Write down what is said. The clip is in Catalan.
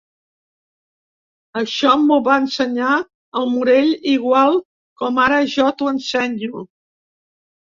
Això m'ho va ensenyar el Morell igual com ara jo t'ho ensenyo.